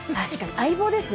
相棒ですね